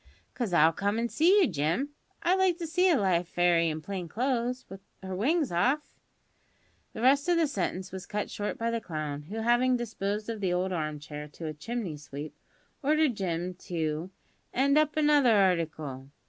"'Cause I'll come an' see you, Jim. I'd like to see a live fairy in plain clo'se, with her wings off " The rest of the sentence was cut short by the clown, who, having disposed of the old arm chair to a chimney sweep, ordered Jim to "'and up another harticle."